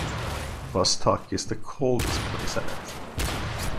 Vostok is the coldest place on Earth.